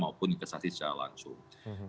maupun investasi secara langsung